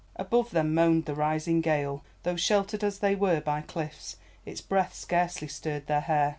Above them moaned the rising gale, though sheltered as they were by cliffs its breath scarcely stirred their hair.